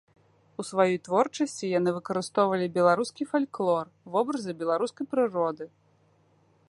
У сваёй творчасці яны выкарыстоўвалі беларускі фальклор, вобразы беларускай прыроды.